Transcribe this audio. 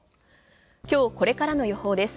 今日これからの予報です。